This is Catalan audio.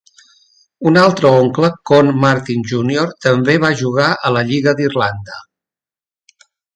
Un altre oncle, Con Martin Junior, també va jugar a la Lliga d'Irlanda.